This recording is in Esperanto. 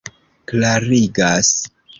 klarigas